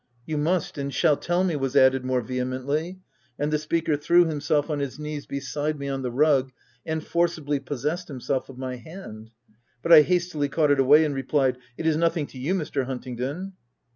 " You must and shall tell me/' was added more vehemently, and the speaker threw him self on his knees, beside me on the rug, and forcibly possessed himself of my hand ; but I hastily caught it away, and replied —" It is nothing to you, Mr. Huntingdon."